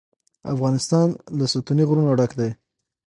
افغانستان له ستوني غرونه ډک دی.